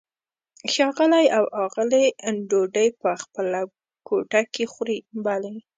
ښاغلی او آغلې ډوډۍ په خپله کوټه کې خوري؟ بلې.